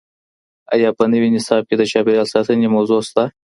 آیا په نوي نصاب کي د چاپیریال ساتنې موضوع سته؟